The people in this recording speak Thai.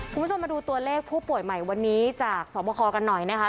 คุณผู้ชมมาดูตัวเลขผู้ป่วยใหม่วันนี้จากสวบคอกันหน่อยนะคะ